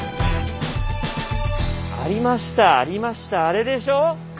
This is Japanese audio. ありましたありましたあれでしょ？